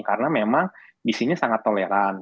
karena memang di sini sangat toleran